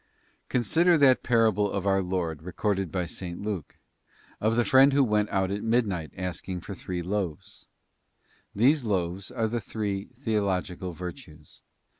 Consider that parable of our Lord recorded by 8S. Luke, t of the friend who went out at midnight asking for three loaves. These loaves are the three theological virtues.